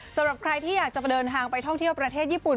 สำหรับใครที่อยากจะเดินทางไปท่องเที่ยวประเทศญี่ปุ่น